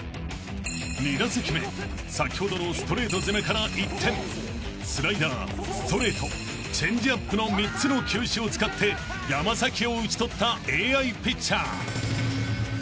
［２打席目先ほどのストレート攻めから一転スライダーストレートチェンジアップの３つの球種を使って山を打ち取ったＡＩピッチャー］